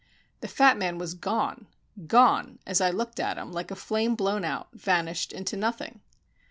The fat man was gone gone, as I looked at him, like a flame blown out, vanished into nothing.